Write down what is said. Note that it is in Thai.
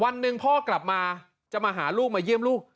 วันหนึ่งพ่อกลับมาจะมาหาลูกมาเยี่ยมลูก